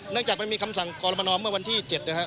เนื่องจากมันมีคำสั่งตอบกดประนทมือวันที่๗